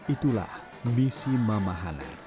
itulah misi mama hana